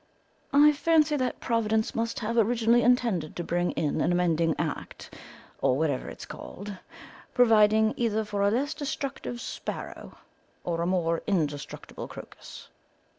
I fancy that Providence must have originally intended to bring in an amending Act, or whatever it's called, providing either for a less destructive sparrow or a more indestructible crocus.